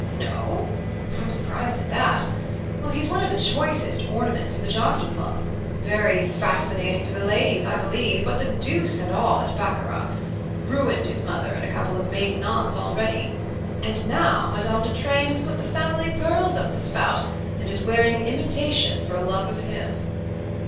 No? I'm surprised at that. Well, he's one of the choicest ornaments of the Jockey Club: very fascinating to the ladies, I believe, but the deuce and all at baccara. Ruined his mother and a couple of maiden aunts already and now Madame de Treymes has put the family pearls up the spout, and is wearing imitation for love of him."